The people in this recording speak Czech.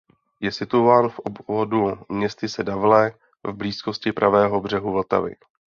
Je situována v obvodu městyse Davle v blízkosti pravého břehu Vltavy.